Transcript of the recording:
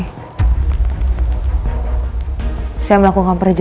saya pergi ke sana juga pakai dana saya sendiri